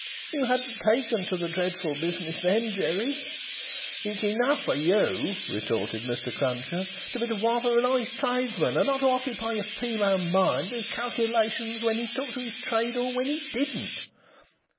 "You hadn't taken to the dreadful business then, Jerry." "It's enough for you," retorted Mr. Cruncher, "to be the wife of a honest tradesman, and not to occupy your female mind with calculations when he took to his trade or when he didn't.